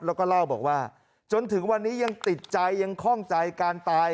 แล้วก็เล่าบอกว่าจนถึงวันนี้ยังติดใจยังคล่องใจการตาย